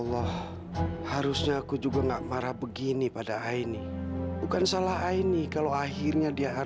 sampai jumpa di video selanjutnya